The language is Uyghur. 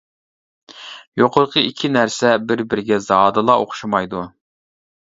يۇقىرىقى ئىككى نەرسە بىر-بىرىگە زادىلا ئوخشىمايدۇ.